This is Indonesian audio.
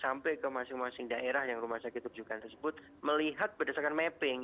sampai ke masing masing daerah yang rumah sakit rujukan tersebut melihat berdasarkan mapping